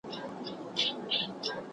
ما پرون د سبا لپاره د لغتونو تمرين وکړ!!